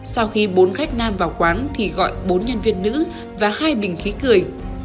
sau khi bốn khách nam vào quán thì gọi bốn nhân viên nữ và hai bình khí cười